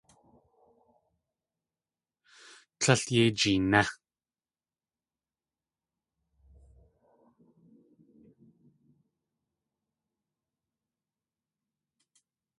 Tlél yéi jeené.